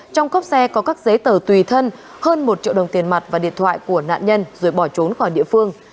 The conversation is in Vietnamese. trong cốc xe có các giấy tờ tùy thân hơn một triệu đồng tiền mặt và điện thoại của nạn nhân rồi bỏ trốn khỏi địa phương